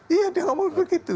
iya dia ngomong begitu